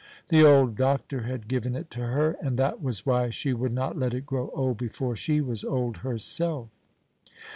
The old doctor had given it to her, and that was why she would not let it grow old before she was old herself.